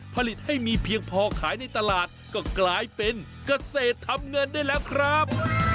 ผลิตให้มีเพียงพอขายในตลาดก็กลายเป็นเกษตรทำเงินได้แล้วครับ